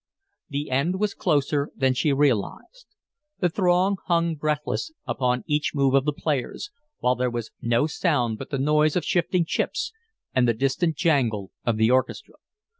The end was closer than she realized. The throng hung breathless upon each move of the players, while there was no sound but the noise of shifting chips and the distant jangle of the orchestra.